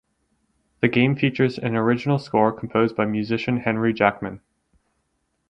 The game features an original score composed by musician Henry Jackman.